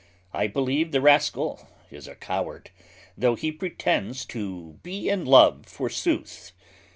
I believe the rascal is a coward, though he pretends to be in love forsooth.